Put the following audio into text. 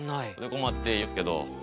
困っているんですけど。